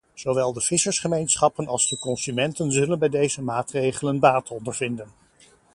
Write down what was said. Zowel de vissersgemeenschappen als de consumenten zullen bij deze maatregelen baat ondervinden.